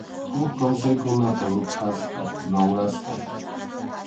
Huk kawsaykunapa ruphasqan, rawrasqan.